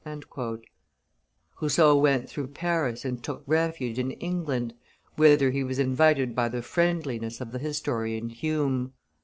Rousseau went through Paris and took refuge in England, whither he was invited by the friendliness of the historian Hume.